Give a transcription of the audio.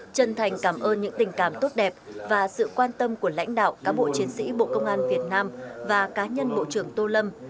chân thành cảm ơn những tình cảm tốt đẹp và sự quan tâm của lãnh đạo cán bộ chiến sĩ bộ công an việt nam và cá nhân bộ trưởng tô lâm